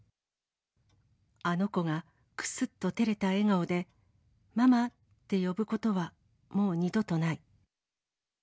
あの子が、くすっとてれた笑顔で、ママって呼ぶことはもう二度とない。